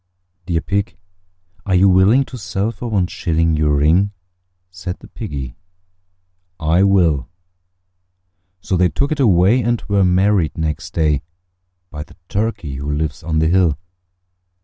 "Dear Pig, are you willing to sell for one shilling Your ring?" Said the Piggy, "I will." So they took it away, and were married next day By the Turkey who lives on the hill.